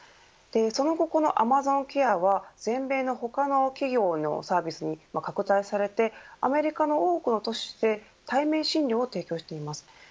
その後このアマゾンケアは全米の他の企業にサービスが拡大されてアメリカの多くの都市で対面診療を提供しています。